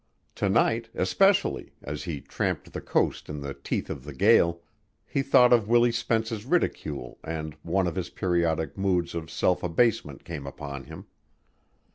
To night, especially, as he tramped the coast in the teeth of the gale, he thought of Willie Spence's ridicule and one of his periodic moods of self abasement came upon him.